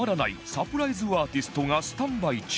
サプライズアーティストがスタンバイ中